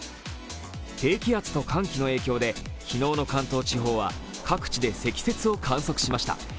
低気圧と寒気の影響で昨日の関東地方は各地で積雪を観測しました。